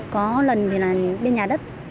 có lần thì là bên nhà đất